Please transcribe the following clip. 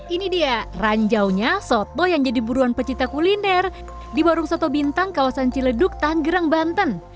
ini dia ranjaunya soto yang jadi buruan pecinta kuliner di warung soto bintang kawasan ciledug tanggerang banten